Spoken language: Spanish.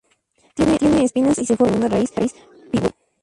Tiene espinas y se forma desde una raíz pivotante.